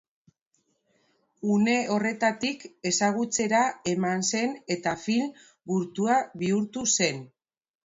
Une horretatik ezagutzera eman zen eta film gurtua bihurtu zen.